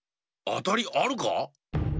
あたりあるか？